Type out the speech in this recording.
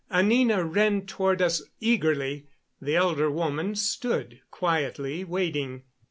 Anina ran toward us eagerly; the elder woman stood, quietly waiting.